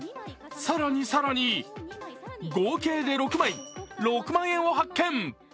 さらに、さらに、合計で６枚、６万円を発見！